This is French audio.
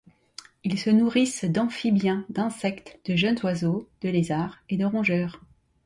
Ils se nourrissent d'amphibiens, d'insectes, de jeunes oiseaux, de lézards et de rongeurs.